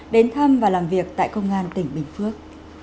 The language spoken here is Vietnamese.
đến thăm và làm việc tại công an tỉnh bình phước